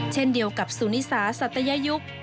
เช่นเดียวกับสุนิสาสัตยยุค